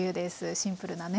シンプルなね